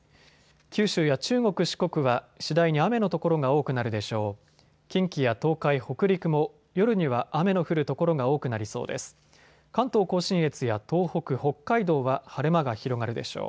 九州や中国、四国は次第に雨の所が多くなるでしょう。